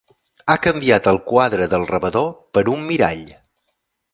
Ha canviat el quadre del rebedor per un mirall.